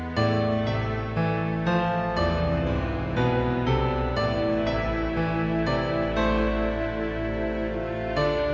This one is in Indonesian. dengan kekuatan binti doer datanglah